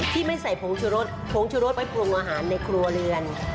ที่ไม่ใส่ผงชุรสผงชุรสไว้ปรุงอาหารในครัวเรือน